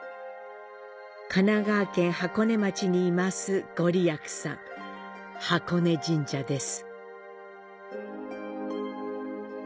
神奈川県箱根町に坐すごりやくさん、箱根神社です。